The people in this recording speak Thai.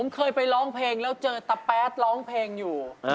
เคยไปร้องเพลงแล้วเจอตะแป๊ดร้องเพลงอยู่